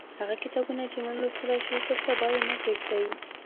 هغه کتابونه چې نن لوستلای شئ تر سبا یې مه پریږدئ.